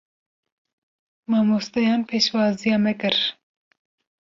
Mamosteyan pêşwaziya me kir.